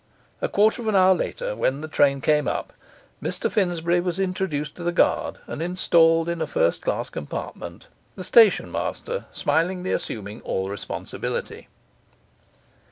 A quarter of an hour later, when the train came up, Mr Finsbury was introduced to the guard and installed in a first class compartment, the station master smilingly assuming all responsibility.